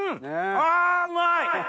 あうまい！